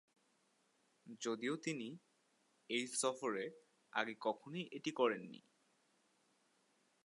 যদিও তিনি এই সফরে আগে কখনোই এটি করেননি।